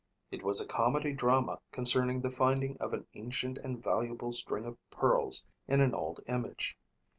It was a comedy drama concerning the finding of an ancient and valuable string of pearls in an old image.